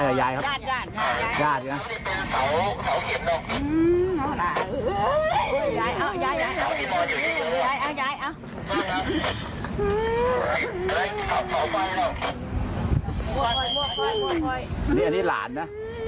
ค่อยค่อยค่อยค่อยนี่อันนี้หลานนะ